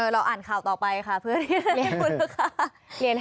เราอ่านข่าวต่อไปค่ะเพื่อเรียกคุณลูกค้า